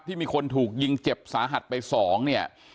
มีคนถูกยิงเจ็บสาหัสไป๒เนี่ย